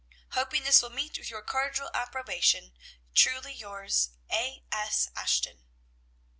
Hoping this will meet with your cordial approbation, Truly yours, A. S. ASHTON.